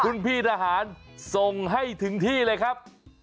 คุณพี่ทหารส่งให้ถึงที่เลยครับ